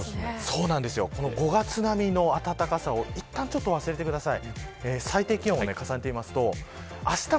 ５月並みの暖かさをいったん忘れてください。